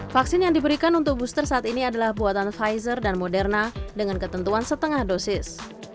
vaksin yang diberikan untuk booster saat ini adalah buatan pfizer dan moderna dengan ketentuan setengah dosis